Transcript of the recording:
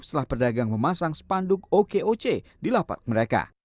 setelah pedagang memasang spanduk okoc di lapak mereka